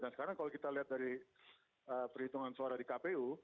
dan sekarang kalau kita lihat dari perhitungan suara di kpu